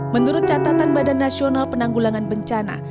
menurut catatan badan nasional penanggulangan bencana